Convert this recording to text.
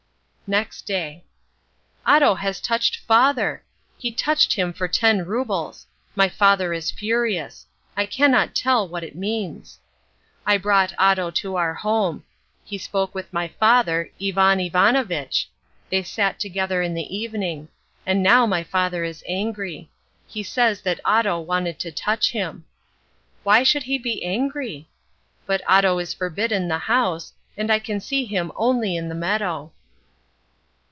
Next Day. Otto has touched father! He touched him for ten roubles. My father is furious. I cannot tell what it means. I brought Otto to our home. He spoke with my father, Ivan Ivanovitch. They sat together in the evening. And now my father is angry. He says that Otto wanted to touch him. Why should he be angry? But Otto is forbidden the house, and I can see him only in the meadow.